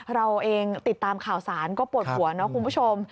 เราเองติดตามข่าวสารก็ปวดหัวเนาะคุณผู้ชม